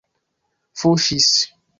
fuŝis